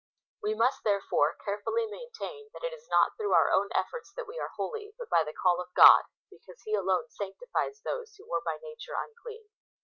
We must, therefore, carefully maintain, that it is not through our own efforts that we are holy, but by the call of God, because He alone sanctifies those who were by nature unclean.